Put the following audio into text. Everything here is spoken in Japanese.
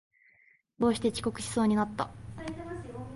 寝坊して遅刻しそうになった